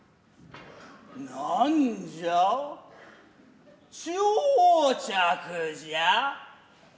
何じゃ打擲じゃ。